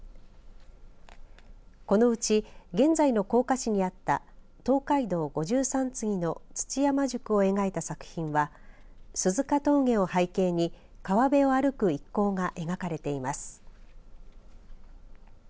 このうち現在の甲賀市にあった東海道五十三次の土山宿を描いた作品は鈴鹿峠を背景に川辺を歩く一行が描かれています。